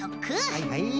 はいはい。